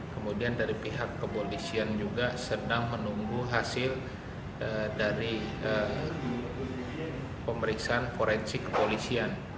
kemudian dari pihak kepolisian juga sedang menunggu hasil dari pemeriksaan forensik kepolisian